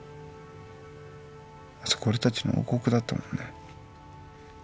あそこ俺たちの王国だったもんね。